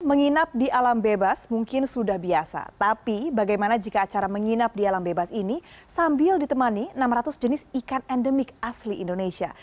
menginap di alam bebas mungkin sudah biasa tapi bagaimana jika acara menginap di alam bebas ini sambil ditemani enam ratus jenis ikan endemik asli indonesia